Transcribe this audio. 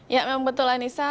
ya memang betul anissa